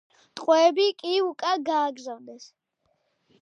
ტყვეები კი უკან გააგზავნეს.